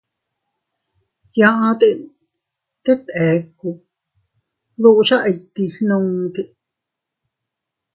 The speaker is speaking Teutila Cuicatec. Yaʼte tet eku, dukcha iti gnu.